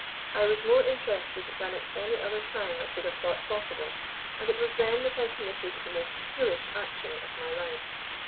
I was more interested than at any other time I should have thought possible, and it was then that I committed the most foolish action of my life.